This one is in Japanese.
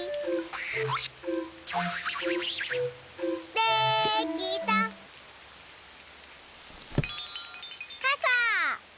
できた！かさ！